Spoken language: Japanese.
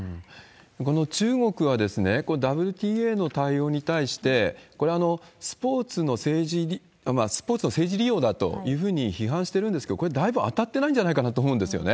この中国はこのＷＴＡの対応に対して、これ、スポーツの政治利用だというふうに批判してるんですけど、これ、だいぶ当たってないんじゃないかなと思うんですよね。